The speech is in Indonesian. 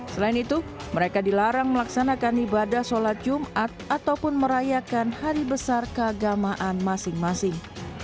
selain itu mereka dilarang melaksanakan ibadah sholat jumat ataupun merayakan hari besar keagamaan masing masing